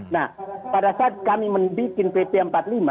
nah pada saat kami membuat pp empat puluh lima